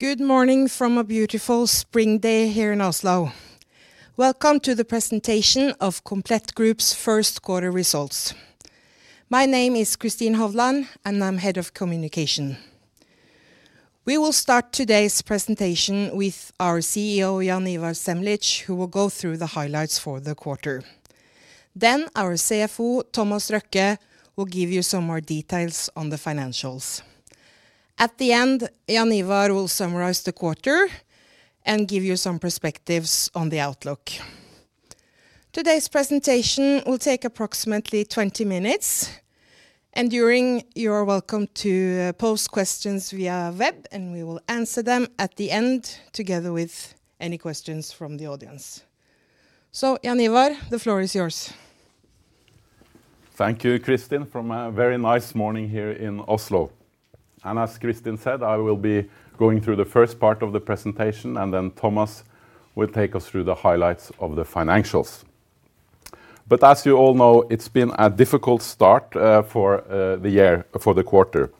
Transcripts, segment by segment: Good morning from a beautiful spring day here in Oslo. Welcome to the presentation of Komplett Group's first quarter results. My name is Kristin Hovland, and I'm Head of Communication. We will start today's presentation with our CEO, Jaan Ivar Semlitsch, who will go through the highlights for the quarter. Then our CFO, Thomas Røkke, will give you some more details on the financials. At the end, Jaan Ivar will summarize the quarter and give you some perspectives on the outlook. Today's presentation will take approximately 20 minutes, and during, you are welcome to post questions via web, and we will answer them at the end, together with any questions from the audience. So Jaan Ivar, the floor is yours. Thank you, Kristin, for a very nice morning here in Oslo. As Kristin said, I will be going through the first part of the presentation, and then Thomas will take us through the highlights of the financials. As you all know, it's been a difficult start for the year, for the quarter.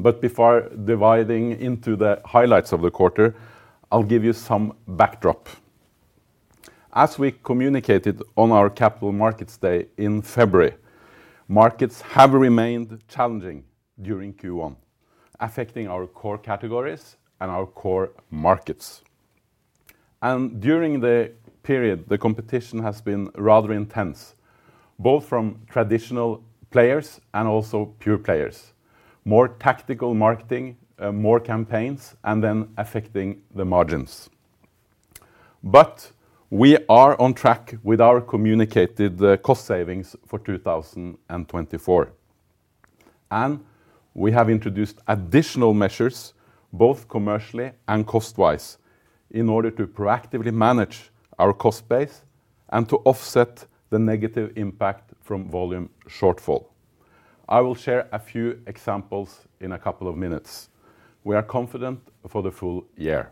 Before diving into the highlights of the quarter, I'll give you some backdrop. As we communicated on our Capital Markets Day in February, markets have remained challenging during Q1, affecting our core categories and our core markets. During the period, the competition has been rather intense, both from traditional players and also pure players. More tactical marketing, more campaigns, and then affecting the margins. But we are on track with our communicated cost savings for 2024, and we have introduced additional measures, both commercially and cost-wise, in order to proactively manage our cost base and to offset the negative impact from volume shortfall. I will share a few examples in a couple of minutes. We are confident for the full year.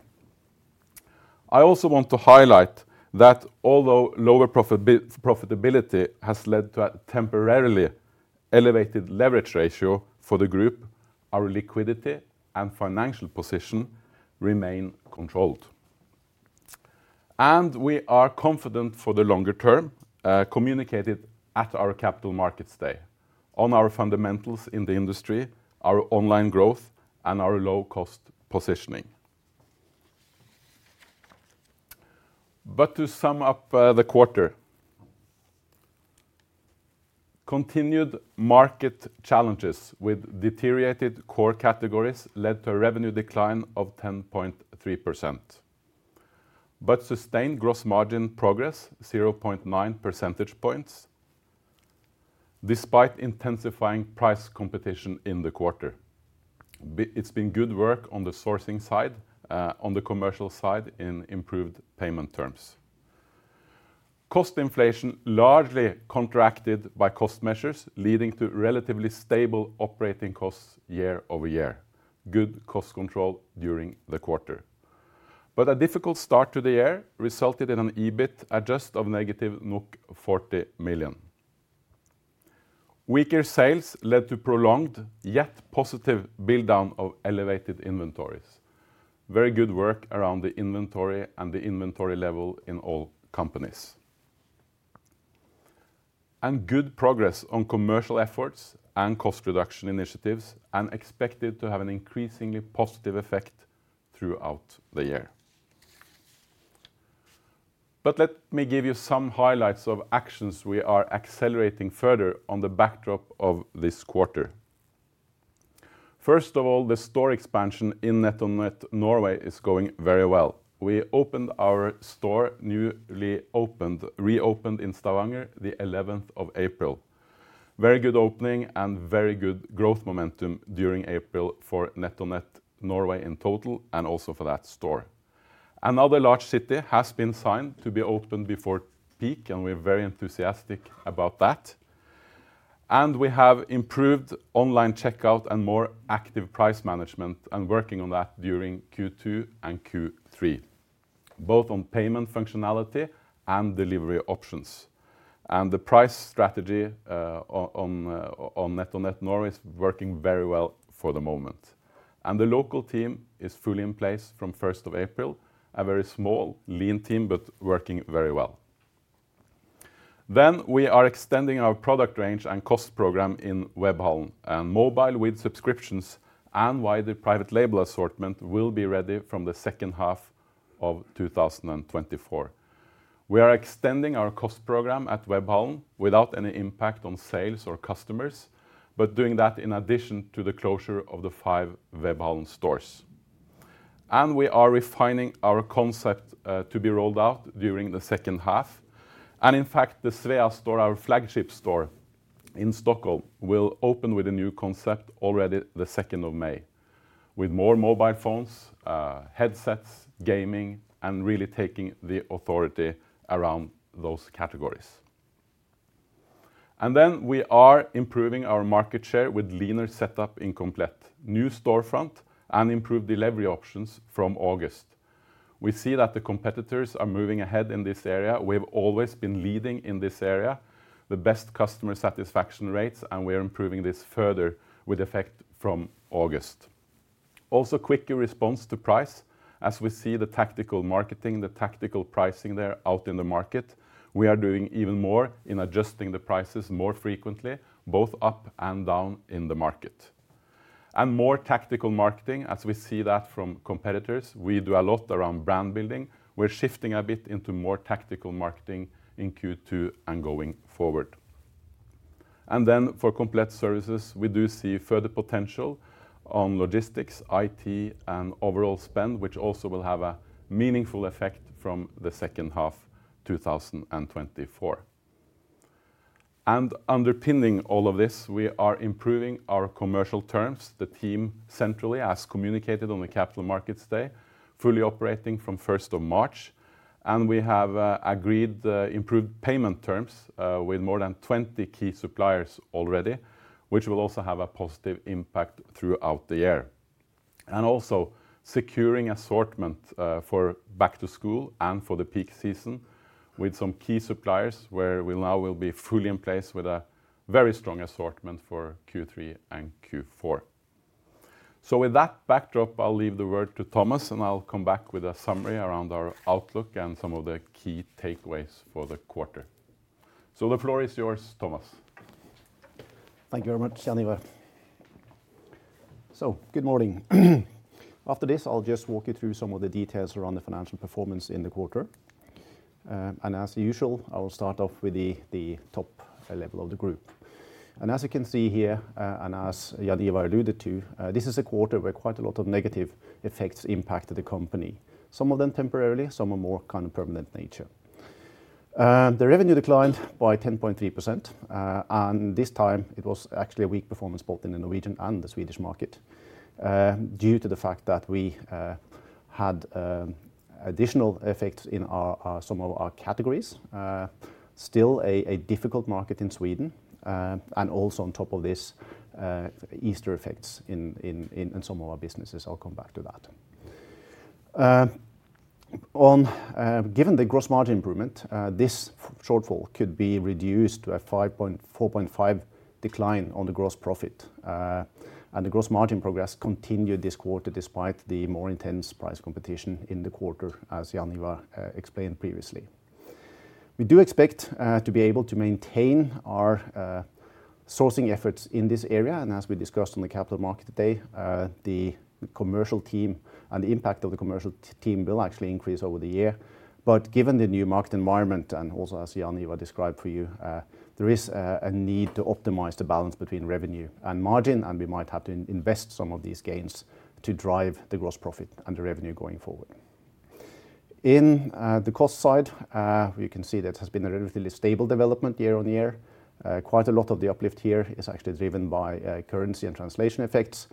I also want to highlight that although lower profitability has led to a temporarily elevated leverage ratio for the group, our liquidity and financial position remain controlled. And we are confident for the longer term, communicated at our Capital Markets Day, on our fundamentals in the industry, our online growth, and our low-cost positioning. But to sum up, the quarter, continued market challenges with deteriorated core categories led to a revenue decline of 10.3%, but sustained gross margin progress 0.9 percentage points, despite intensifying price competition in the quarter. It's been good work on the sourcing side, on the commercial side in improved payment terms. Cost inflation largely contracted by cost measures, leading to relatively stable operating costs year-over-year. Good cost control during the quarter. But a difficult start to the year resulted in an adjusted EBIT of negative 40 million. Weaker sales led to prolonged, yet positive, build-down of elevated inventories. Very good work around the inventory and the inventory level in all companies. Good progress on commercial efforts and cost reduction initiatives, and expected to have an increasingly positive effect throughout the year. But let me give you some highlights of actions we are accelerating further on the backdrop of this quarter. First of all, the store expansion in NetOnNet Norway is going very well. We reopened our store in Stavanger, the eleventh of April. Very good opening and very good growth momentum during April for NetOnNet Norway in total, and also for that store. Another large city has been signed to be opened before peak, and we're very enthusiastic about that. And we have improved online checkout and more active price management, and working on that during Q2 and Q3, both on payment functionality and delivery options. And the price strategy on NetOnNet Norway is working very well for the moment, and the local team is fully in place from first of April. A very small, lean team, but working very well. Then we are extending our product range and cost program in Webhallen, and mobile with subscriptions and wider private label assortment will be ready from the second half of 2024. We are extending our cost program at Webhallen without any impact on sales or customers, but doing that in addition to the closure of the five Webhallen stores. We are refining our concept to be rolled out during the second half. In fact, the Svea store, our flagship store in Stockholm, will open with a new concept already the second of May, with more mobile phones, headsets, gaming, and really taking the authority around those categories. Then we are improving our market share with leaner setup in Komplett, new storefront, and improved delivery options from August. We see that the competitors are moving ahead in this area. We've always been leading in this area, the best customer satisfaction rates, and we are improving this further with effect from August. Also, quicker response to price. As we see the tactical marketing, the tactical pricing there out in the market, we are doing even more in adjusting the prices more frequently, both up and down in the market. And more tactical marketing, as we see that from competitors, we do a lot around brand building. We're shifting a bit into more tactical marketing in Q2 and going forward. And then for Komplett Services, we do see further potential on logistics, IT, and overall spend, which also will have a meaningful effect from the second half 2024. And underpinning all of this, we are improving our commercial terms. The team centrally, as communicated on the Capital Markets Day, fully operating from first of March, and we have agreed improved payment terms with more than 20 key suppliers already, which will also have a positive impact throughout the year. Also, securing assortment for back to school and for the peak season with some key suppliers, where we now will be fully in place with a very strong assortment for Q3 and Q4. With that backdrop, I'll leave the word to Thomas, and I'll come back with a summary around our outlook and some of the key takeaways for the quarter. The floor is yours, Thomas. Thank you very much, Jaan Ivar. So good morning. After this, I'll just walk you through some of the details around the financial performance in the quarter. And as usual, I will start off with the top level of the group. As you can see here, and as Jaan Ivar alluded to, this is a quarter where quite a lot of negative effects impacted the company, some of them temporarily, some are more kind of permanent nature. The revenue declined by 10.3%. And this time, it was actually a weak performance both in the Norwegian and the Swedish market, due to the fact that we had additional effects in some of our categories. Still a difficult market in Sweden, and also on top of this, Easter effects in... in some of our businesses. I'll come back to that. Given the gross margin improvement, this shortfall could be reduced to a 4.5 decline on the gross profit. And the gross margin progress continued this quarter, despite the more intense price competition in the quarter, as Jaan Ivar explained previously. We do expect to be able to maintain our sourcing efforts in this area, and as we discussed on the Capital Market day, the commercial team and the impact of the commercial team will actually increase over the year. But given the new market environment, and also as Jaan Ivar described for you, there is a need to optimize the balance between revenue and margin, and we might have to invest some of these gains to drive the gross profit and the revenue going forward. In the cost side, we can see that has been a relatively stable development year on year. Quite a lot of the uplift here is actually driven by currency and translation effects,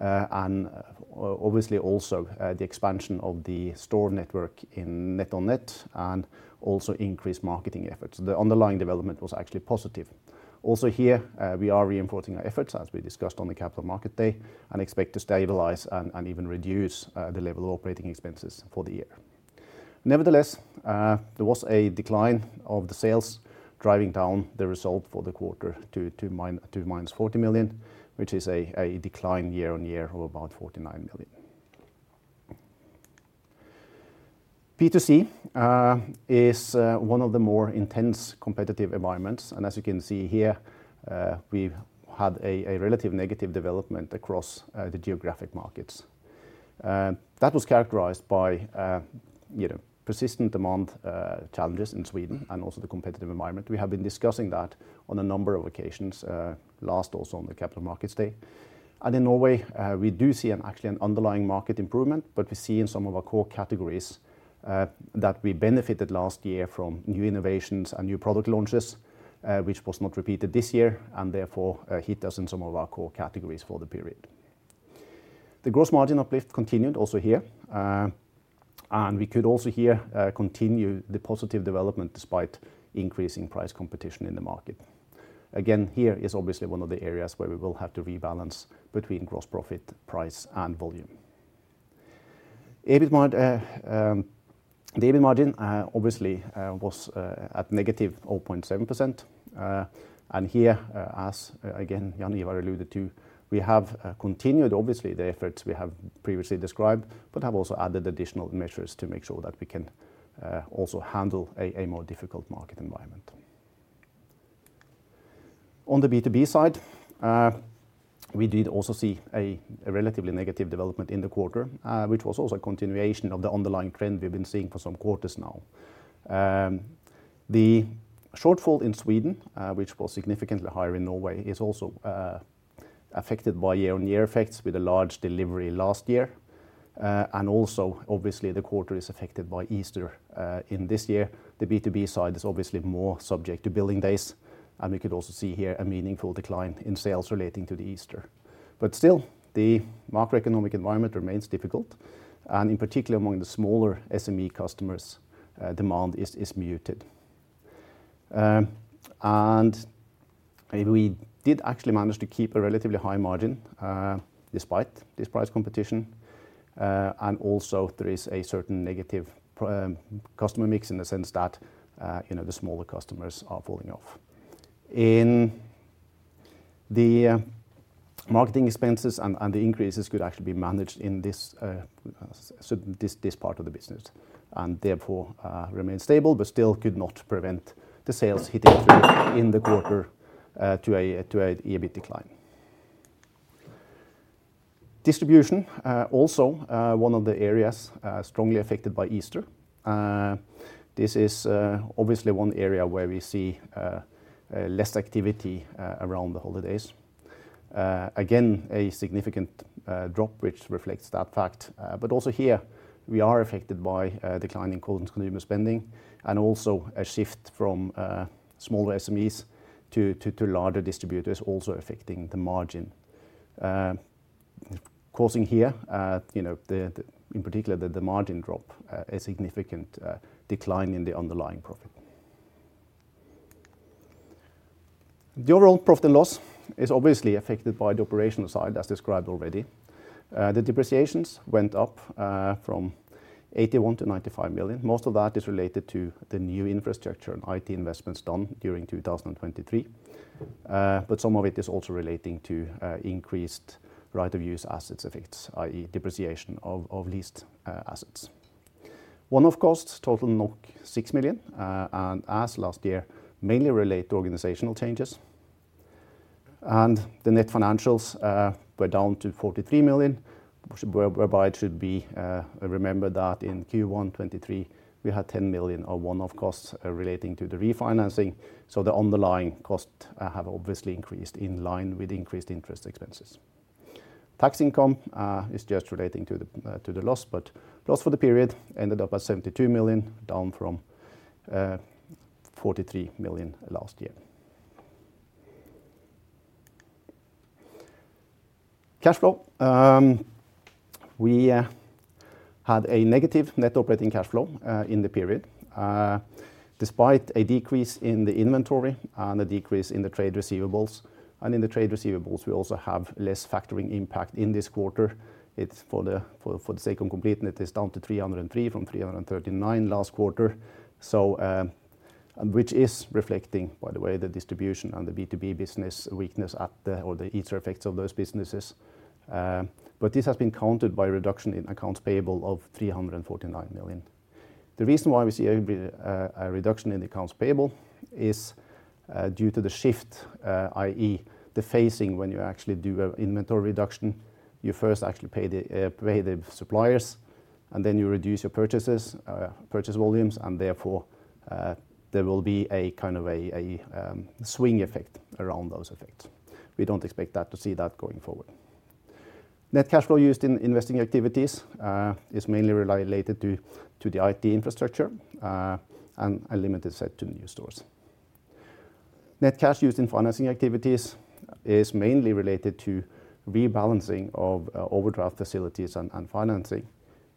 and obviously also the expansion of the store network in NetOnNet, and also increased marketing efforts. The underlying development was actually positive. Also here, we are reinforcing our efforts, as we discussed on the Capital Market Day, and expect to stabilize and even reduce the level of operating expenses for the year. Nevertheless, there was a decline of the sales, driving down the result for the quarter to -40 million, which is a decline year-on-year of about 49 million. B2C is one of the more intense competitive environments, and as you can see here, we've had a relative negative development across the geographic markets. That was characterized by, you know, persistent demand challenges in Sweden and also the competitive environment. We have been discussing that on a number of occasions, last also on the Capital Markets Day. In Norway, we do see an actually an underlying market improvement, but we see in some of our core categories, that we benefited last year from new innovations and new product launches, which was not repeated this year, and therefore, hit us in some of our core categories for the period. The gross margin uplift continued also here, and we could also here, continue the positive development despite increasing price competition in the market. Again, here is obviously one of the areas where we will have to rebalance between gross profit, price, and volume. The EBIT margin, obviously, was at negative 0.7%. And here, again, Jaan Ivar alluded to, we have continued obviously the efforts we have previously described, but have also added additional measures to make sure that we can also handle a more difficult market environment. On the B2B side, we did also see a relatively negative development in the quarter, which was also a continuation of the underlying trend we've been seeing for some quarters now. The shortfall in Sweden, which was significantly higher in Norway, is also affected by year-on-year effects with a large delivery last year. And also, obviously, the quarter is affected by Easter in this year. The B2B side is obviously more subject to billing days, and we could also see here a meaningful decline in sales relating to the Easter. But still, the macroeconomic environment remains difficult, and in particular, among the smaller SME customers, demand is muted. And we did actually manage to keep a relatively high margin, despite this price competition. And also there is a certain negative customer mix in the sense that, you know, the smaller customers are falling off. In the marketing expenses and the increases could actually be managed in this, so this part of the business, and therefore remain stable, but still could not prevent the sales hitting in the quarter to a EBIT decline. Distribution also one of the areas strongly affected by Easter. This is obviously one area where we see less activity around the holidays. Again, a significant drop, which reflects that fact. But also here, we are affected by a decline in consumer spending and also a shift from smaller SMEs to larger distributors, also affecting the margin. Causing here, you know, in particular, the margin drop, a significant decline in the underlying profit. The overall profit and loss is obviously affected by the operational side, as described already. The depreciations went up from 81 million to 95 million. Most of that is related to the new infrastructure and IT investments done during 2023. But some of it is also relating to increased right of use assets effects, i.e., depreciation of leased assets. One-off costs total 6 million, and as last year, mainly relate to organizational changes. The net financials were down to 43 million, whereby it should be remembered that in Q1 2023, we had 10 million of one-off costs relating to the refinancing, so the underlying costs have obviously increased in line with increased interest expenses. Tax income is just relating to the to the loss, but loss for the period ended up at 72 million, down from 43 million last year. Cash flow. We had a negative net operating cash flow in the period despite a decrease in the inventory and a decrease in the trade receivables. And in the trade receivables, we also have less factoring impact in this quarter. It's for the sake of completeness, it is down to 303 from 339 last quarter. Which is reflecting, by the way, the distribution and the B2B business weakness at the or the Easter effects of those businesses. But this has been countered by a reduction in accounts payable of 349 million. The reason why we see a reduction in the accounts payable is due to the shift, i.e., the phasing when you actually do an inventory reduction. You first actually pay the suppliers, and then you reduce your purchases, purchase volumes, and therefore, there will be a kind of a swing effect around those effects. We don't expect that, to see that going forward. Net cash flow used in investing activities is mainly related to the IT infrastructure and a limited set to new stores. Net cash used in financing activities is mainly related to rebalancing of overdraft facilities and financing.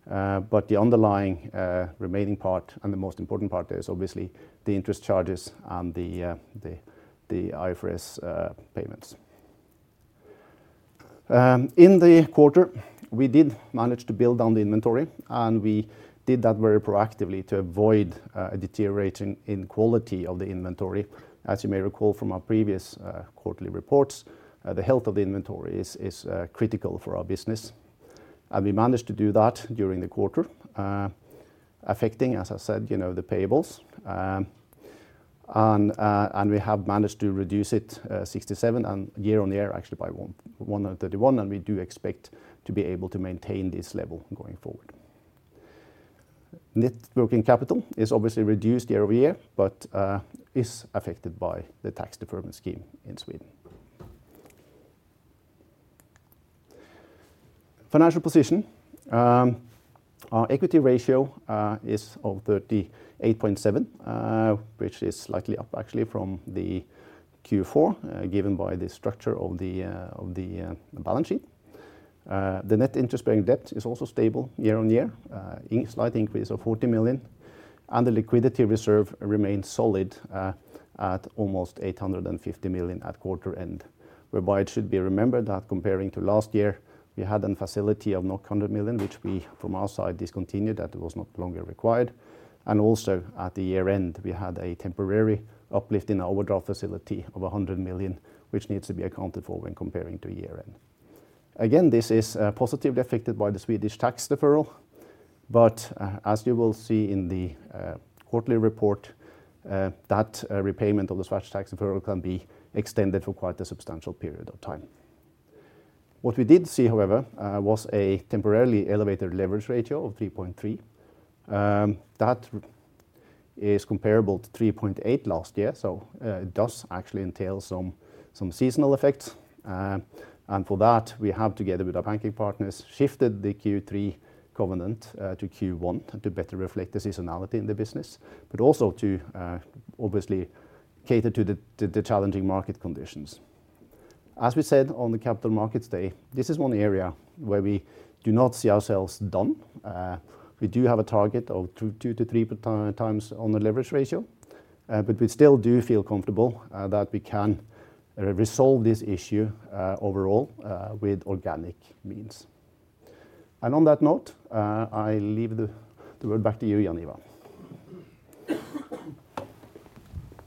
But the underlying remaining part and the most important part is obviously the interest charges and the IFRS payments. In the quarter, we did manage to build down the inventory, and we did that very proactively to avoid a deteriorating in quality of the inventory. As you may recall from our previous quarterly reports, the health of the inventory is critical for our business, and we managed to do that during the quarter, affecting, as I said, you know, the payables. And we have managed to reduce it 67 and year-on-year, actually by 131, and we do expect to be able to maintain this level going forward. Net working capital is obviously reduced year-over-year, but is affected by the tax deferment scheme in Sweden. Financial position. Our equity ratio is of 38.7, which is slightly up actually from the Q4, given by the structure of the balance sheet. The net interest-bearing debt is also stable year-over-year, a slight increase of 40 million, and the liquidity reserve remains solid, at almost 850 million at quarter end, whereby it should be remembered that comparing to last year, we had a facility of 100 million, which we, from our side, discontinued, that it was no longer required. And also, at the year-end, we had a temporary uplift in our overdraft facility of 100 million, which needs to be accounted for when comparing to year-end. Again, this is positively affected by the Swedish tax deferral, but as you will see in the quarterly report, that repayment of the Swedish tax deferral can be extended for quite a substantial period of time. What we did see, however, was a temporarily elevated leverage ratio of 3.3. That is comparable to 3.8 last year, so it does actually entail some seasonal effects. And for that, we have, together with our banking partners, shifted the Q3 covenant to Q1 to better reflect the seasonality in the business, but also to obviously cater to the challenging market conditions.... As we said on the Capital Markets Day, this is one area where we do not see ourselves done. We do have a target of 2.2x-3x on the leverage ratio, but we still do feel comfortable that we can resolve this issue overall with organic means. On that note, I leave the word back to you, Jaan Ivar.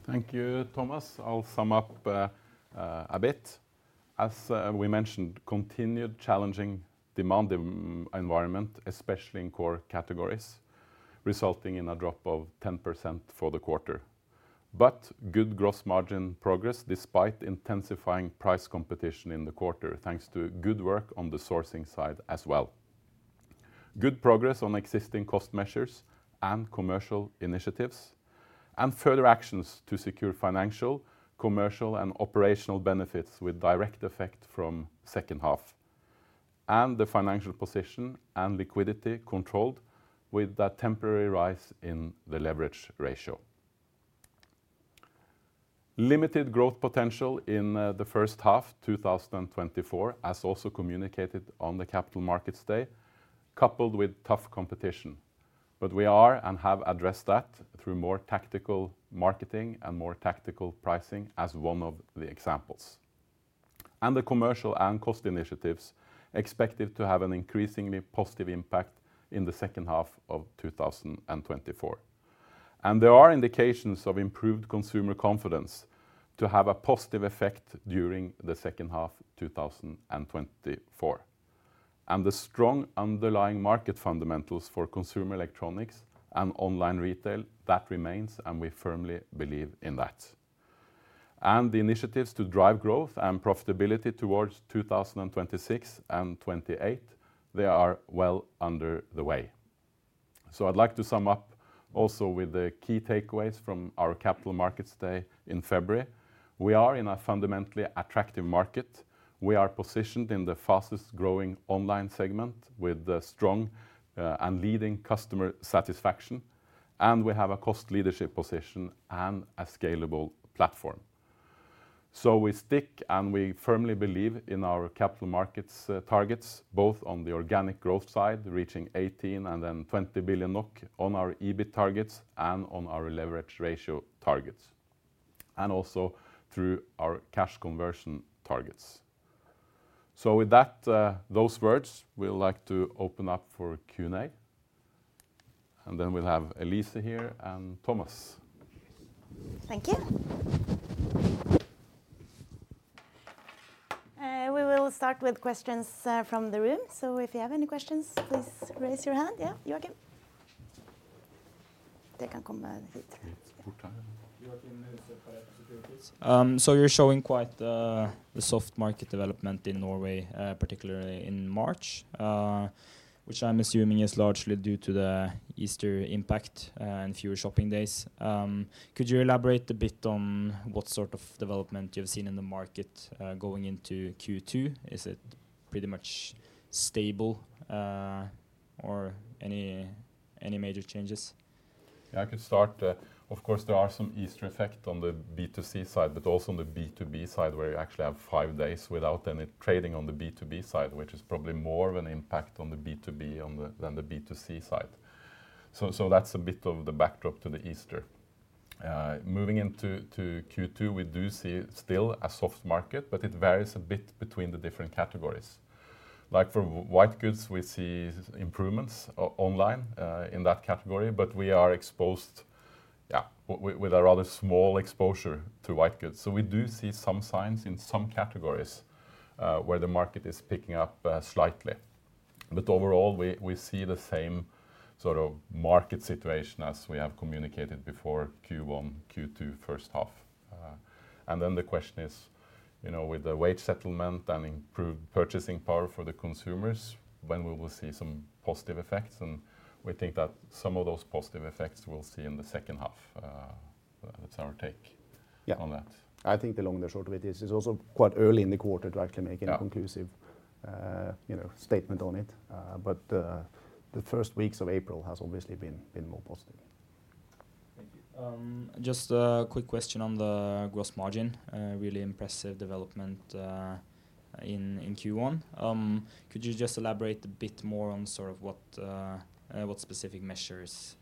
Thank you, Thomas. I'll sum up a bit. As we mentioned, continued challenging demand environment, especially in core categories, resulting in a drop of 10% for the quarter. But good gross margin progress, despite intensifying price competition in the quarter, thanks to good work on the sourcing side as well. Good progress on existing cost measures and commercial initiatives, and further actions to secure financial, commercial, and operational benefits with direct effect from second half. The financial position and liquidity controlled with that temporary rise in the leverage ratio. Limited growth potential in the first half 2024, as also communicated on the Capital Markets Day, coupled with tough competition, but we are and have addressed that through more tactical marketing and more tactical pricing as one of the examples. The commercial and cost initiatives expected to have an increasingly positive impact in the second half of 2024. There are indications of improved consumer confidence to have a positive effect during the second half of 2024. The strong underlying market fundamentals for consumer electronics and online retail, that remains, and we firmly believe in that. The initiatives to drive growth and profitability towards 2026 and 2028, they are well under way. So I'd like to sum up also with the key takeaways from our Capital Markets Day in February. We are in a fundamentally attractive market. We are positioned in the fastest-growing online segment, with a strong, and leading customer satisfaction, and we have a cost leadership position and a scalable platform. So we stick, and we firmly believe in our capital markets targets, both on the organic growth side, reaching 18 billion and then 20 billion NOK on our EBIT targets and on our leverage ratio targets, and also through our cash conversion targets. So with that, those words, we would like to open up for Q&A, and then we'll have Elisa here and Thomas. Thank you. We will start with questions from the room, so if you have any questions, please raise your hand. Yeah, Joakim? They can come up here. So you're showing quite the soft market development in Norway, particularly in March, which I'm assuming is largely due to the Easter impact, and fewer shopping days. Could you elaborate a bit on what sort of development you've seen in the market, going into Q2? Is it pretty much stable, or any major changes? Yeah, I could start. Of course, there are some Easter effect on the B2C side, but also on the B2B side, where you actually have 5 days without any trading on the B2B side, which is probably more of an impact on the B2B than the B2C side. So that's a bit of the backdrop to the Easter. Moving into Q2, we do see still a soft market, but it varies a bit between the different categories. Like for white goods, we see improvements online in that category, but we are exposed with a rather small exposure to white goods. So we do see some signs in some categories where the market is picking up slightly. But overall, we see the same sort of market situation as we have communicated before Q1, Q2, first half. And then the question is, you know, with the wage settlement and improved purchasing power for the consumers, when we will see some positive effects, and we think that some of those positive effects we'll see in the second half. That's our take- Yeah. -on that. I think the long and the short of it is, it's also quite early in the quarter to actually make- Yeah... a conclusive, you know, statement on it. But the first weeks of April has obviously been more positive. Thank you. Just a quick question on the gross margin, really impressive development in Q1. Could you just elaborate a bit more on sort of what specific measures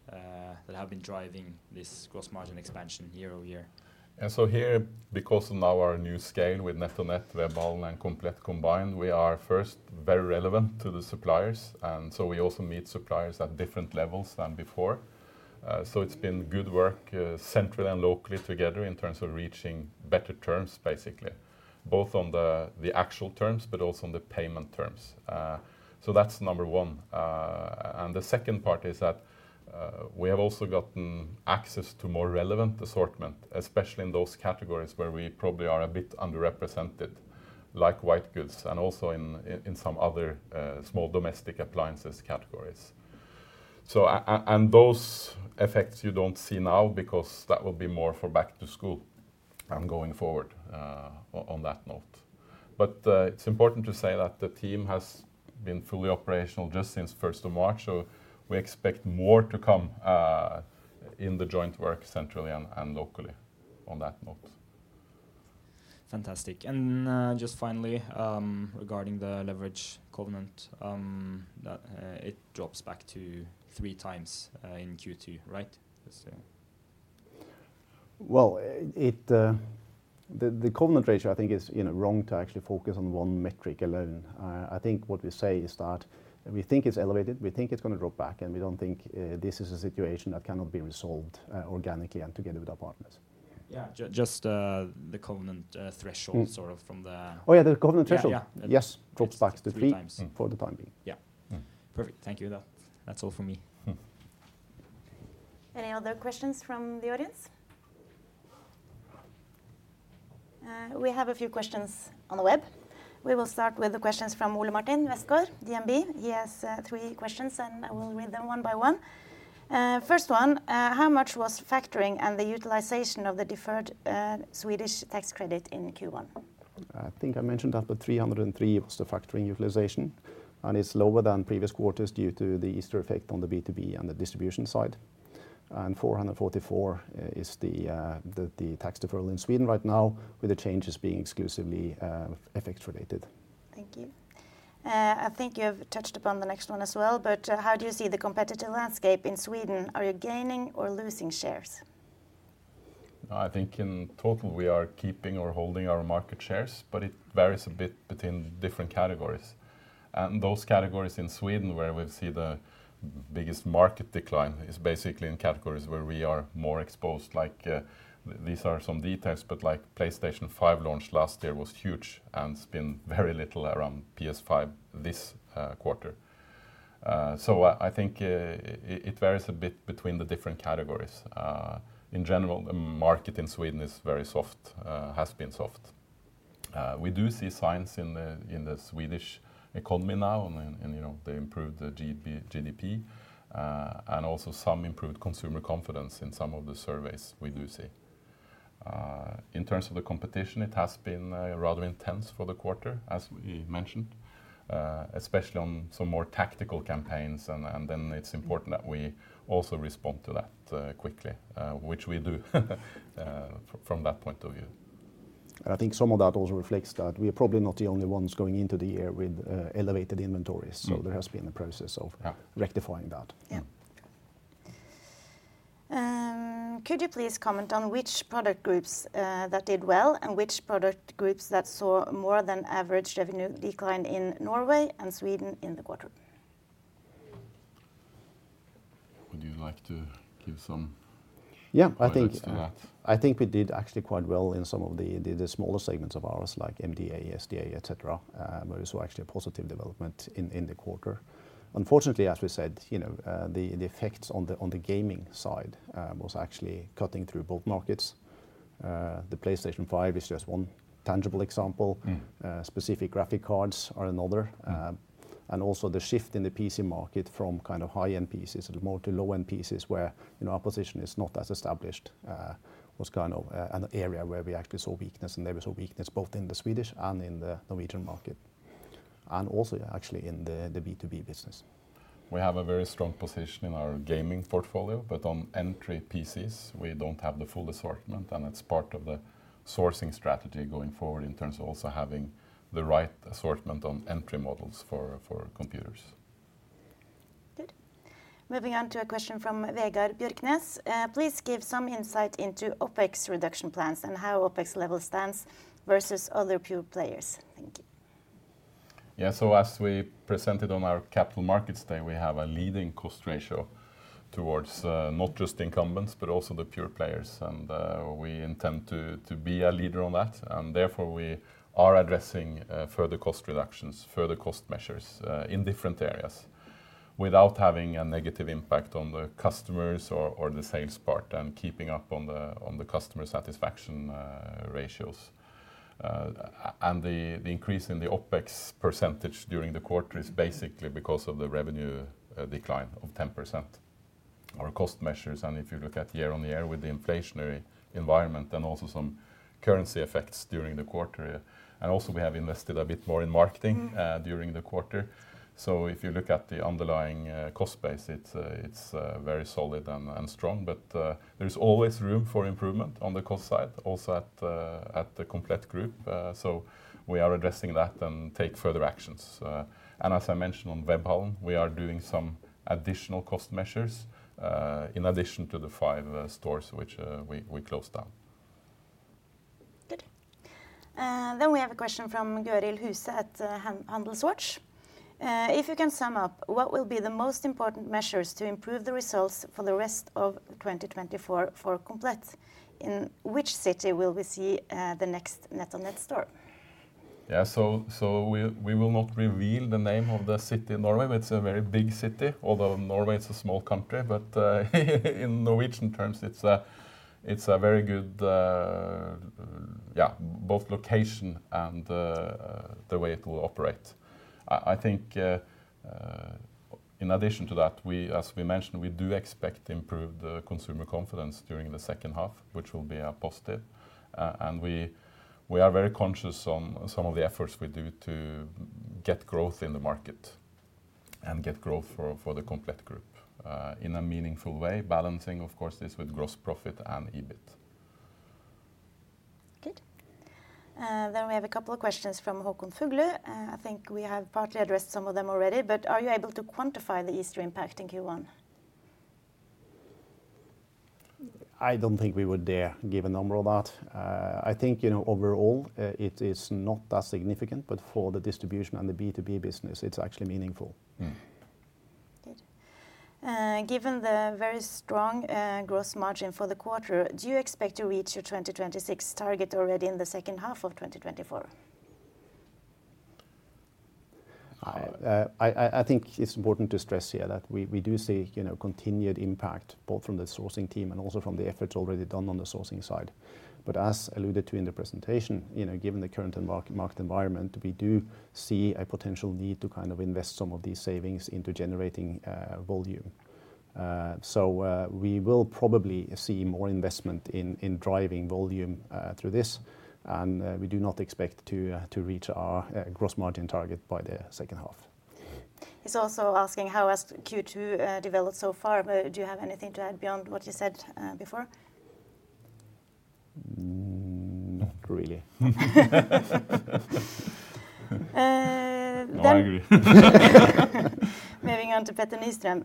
that have been driving this gross margin expansion year over year? And so here, because of now our new scale with NetOnNet, Webhallen, and Komplett combined, we are first very relevant to the suppliers, and so we also meet suppliers at different levels than before. So it's been good work, centrally and locally together in terms of reaching better terms, basically, both on the actual terms, but also on the payment terms. So that's number one. And the second part is that, we have also gotten access to more relevant assortment, especially in those categories where we probably are a bit underrepresented, like white goods and also in some other small domestic appliances categories. So, and those effects you don't see now, because that will be more for back to school and going forward, on that note. It's important to say that the team has been fully operational just since 1st of March, so we expect more to come in the joint work centrally and locally on that note. Fantastic. And, just finally, regarding the leverage covenant, that it drops back to 3 times, in Q2, right? Just, Well, the covenant ratio, I think, is, you know, wrong to actually focus on one metric alone. I think what we say is that we think it's elevated, we think it's gonna drop back, and we don't think this is a situation that cannot be resolved organically and together with our partners. Yeah, just the covenant threshold- Mm... sort of from the- Oh, yeah, the covenant threshold? Yeah, yeah. Yes, drops back to three- Three times... for the time being. Yeah. Mm. Perfect. Thank you, though. That's all for me. Mm. Any other questions from the audience? We have a few questions on the web. We will start with the questions from Ole Martin Westgaard, DNB. He has three questions, and I will read them one by one. First one, how much was factoring and the utilization of the deferred Swedish tax credit in Q1? I think I mentioned that the 303 was the factoring utilization, and it's lower than previous quarters due to the Easter effect on the B2B and the distribution side. And 444 is the tax deferral in Sweden right now, with the changes being exclusively FX related. Thank you. I think you have touched upon the next one as well, but, how do you see the competitive landscape in Sweden? Are you gaining or losing shares? I think in total we are keeping or holding our market shares, but it varies a bit between different categories. Those categories in Sweden where we see the biggest market decline is basically in categories where we are more exposed, like, these are some details, but, like, PlayStation 5 launch last year was huge, and it's been very little around PS5 this quarter. So I think it varies a bit between the different categories. In general, the market in Sweden is very soft, has been soft. We do see signs in the Swedish economy now, and, you know, they improved the GDP, and also some improved consumer confidence in some of the surveys we do see. In terms of the competition, it has been rather intense for the quarter, as we mentioned, especially on some more tactical campaigns, and then it's important that we also respond to that quickly, which we do, from that point of view. I think some of that also reflects that we are probably not the only ones going into the year with elevated inventories. Mm. So there has been a process of- Yeah... rectifying that. Yeah. Yeah. Could you please comment on which product groups that did well, and which product groups that saw more than average revenue decline in Norway and Sweden in the quarter? Would you like to give some- Yeah, I think- Thoughts to that? I think we did actually quite well in some of the smaller segments of ours, like MDA, SDA, et cetera, where we saw actually a positive development in the quarter. Unfortunately, as we said, you know, the effects on the gaming side was actually cutting through both markets. The PlayStation 5 is just one tangible example. Mm. Specific graphics cards are another. Mm. And also the shift in the PC market from kind of high-end PCs sort of more to low-end PCs, where, you know, our position is not as established, was kind of a, an area where we actually saw weakness, and there was a weakness both in the Swedish and in the Norwegian market, and also actually in the, the B2B business. We have a very strong position in our gaming portfolio, but on entry PCs, we don't have the full assortment, and it's part of the sourcing strategy going forward in terms of also having the right assortment on entry models for computers. Good. Moving on to a question from Vegard Bjørknes. Please give some insight into OpEx reduction plans and how OpEx level stands versus other pure players. Thank you. Yeah, so as we presented on our capital markets day, we have a leading cost ratio towards, not just incumbents, but also the pure players, and we intend to be a leader on that, and therefore, we are addressing further cost reductions, further cost measures in different areas, without having a negative impact on the customers or the sales part, and keeping up on the customer satisfaction ratios. And the increase in the OpEx percentage during the quarter is basically because of the revenue decline of 10%, our cost measures, and if you look at year-on-year with the inflationary environment and also some currency effects during the quarter. And also we have invested a bit more in marketing. Mm... during the quarter. So if you look at the underlying cost base, it's very solid and strong, but there's always room for improvement on the cost side, also at the Komplett Group. So we are addressing that and take further actions. And as I mentioned on Webhallen, we are doing some additional cost measures, in addition to the five stores which we closed down. Good. Then we have a question from Gøril Huse at HandelsWatch. If you can sum up, what will be the most important measures to improve the results for the rest of 2024 for Komplett? In which city will we see the next NetOnNet store? Yeah, so we will not reveal the name of the city in Norway, but it's a very big city, although Norway is a small country. But in Norwegian terms, it's a very good. Yeah, both location and the way it will operate. I think in addition to that, we, as we mentioned, do expect improved consumer confidence during the second half, which will be a positive, and we are very conscious on some of the efforts we do to get growth in the market and get growth for the Komplett Group in a meaningful way, balancing, of course, this with gross profit and EBIT. Good. Then we have a couple of questions from Håkon Fuglu. I think we have partly addressed some of them already, but are you able to quantify the Easter impact in Q1? I don't think we would dare give a number on that. I think, you know, overall, it is not that significant, but for the distribution and the B2B business, it's actually meaningful. Mm. Good. Given the very strong, gross margin for the quarter, do you expect to reach your 2026 target already in the second half of 2024? I think it's important to stress here that we do see, you know, continued impact, both from the sourcing team and also from the efforts already done on the sourcing side. But as alluded to in the presentation, you know, given the current market environment, we do see a potential need to kind of invest some of these savings into generating volume. So, we will probably see more investment in driving volume through this, and we do not expect to reach our gross margin target by the second half. Mm. He's also asking, how has Q2 developed so far, but do you have anything to add beyond what you said before? Not really. Uh, then- No, I agree. Moving on to Petter Nystrøm.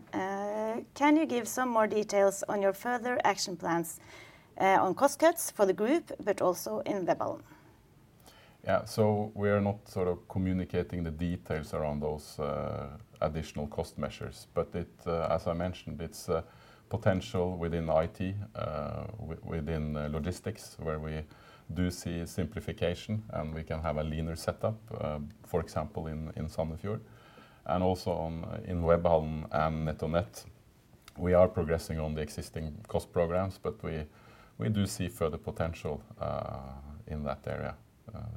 Can you give some more details on your further action plans, on cost cuts for the group, but also in Webhallen? Yeah. So we are not sort of communicating the details around those additional cost measures, but it. As I mentioned, it's potential within IT within logistics, where we do see simplification, and we can have a leaner setup for example, in Sandefjord, and also in Webhallen and NetOnNet. We are progressing on the existing cost programs, but we do see further potential in that area.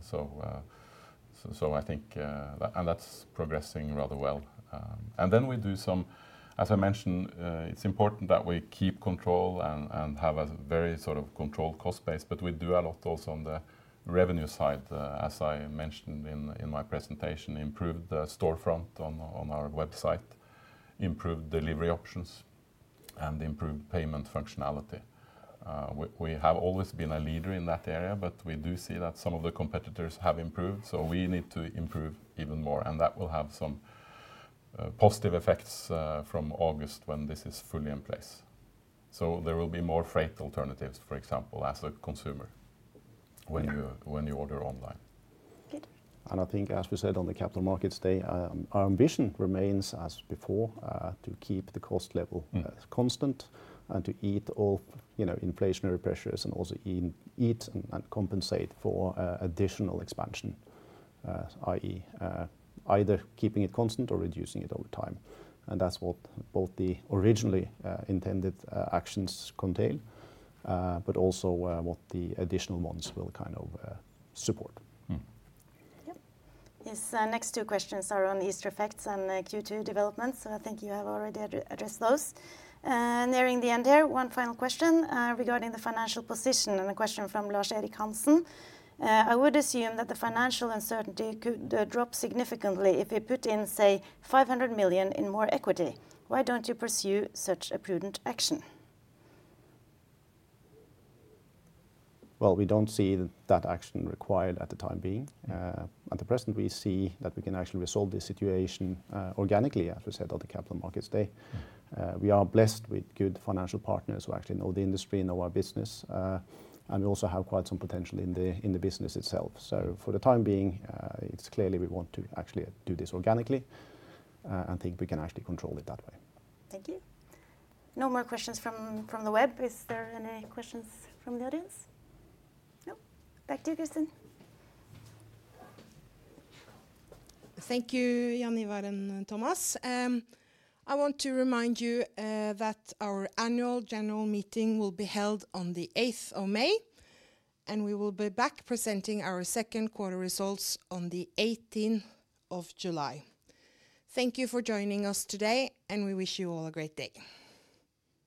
So I think. And that's progressing rather well. And then as I mentioned, it's important that we keep control and have a very sort of controlled cost base, but we do a lot also on the revenue side, as I mentioned in my presentation, improved the storefront on our website, improved delivery options, and improved payment functionality. We have always been a leader in that area, but we do see that some of the competitors have improved, so we need to improve even more, and that will have some positive effects from August, when this is fully in place. So there will be more freight alternatives, for example, as a consumer- Yeah... when you, when you order online. Good. And I think as we said on the Capital Markets Day, our ambition remains as before, to keep the cost level- Mm... constant and to eat off, you know, inflationary pressures and also eat and compensate for additional expansion, i.e., either keeping it constant or reducing it over time, and that's what both the originally intended actions contain, but also what the additional ones will kind of support. Mm. Yep. These next two questions are on Easter effects and the Q2 developments, so I think you have already addressed those. Nearing the end here, one final question regarding the financial position, and a question from Lars Erik Hansen. I would assume that the financial uncertainty could drop significantly if you put in, say, 500 million in more equity. Why don't you pursue such a prudent action? Well, we don't see that action required at the time being. At the present, we see that we can actually resolve this situation, organically, as we said on the Capital Markets Day. We are blessed with good financial partners who actually know the industry, know our business, and we also have quite some potential in the business itself. So for the time being, it's clearly we want to actually do this organically, and think we can actually control it that way. Thank you. No more questions from the web. Is there any questions from the audience? No. Back to you, Kristin. Thank you, Jaan Ivar and Thomas. I want to remind you that our annual general meeting will be held on the 8th of May, and we will be back presenting our second quarter results on the 18th of July. Thank you for joining us today, and we wish you all a great day.